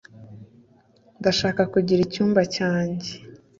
Ndashaka kugira icyumba cyanjye.